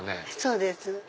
そうです。